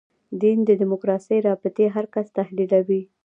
دین دیموکراسي رابطې هر کس تحلیلوي.